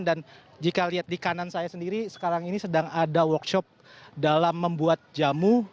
dan jika lihat di kanan saya sendiri sekarang ini sedang ada workshop dalam membuat jamu